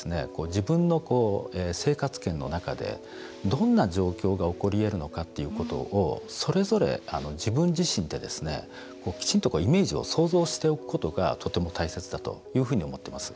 自分の生活圏の中でどんな状況が起こりえるのかっていうことをそれぞれ、自分自身できちんとイメージを想像しておくことがとても大切だというふうに思っています。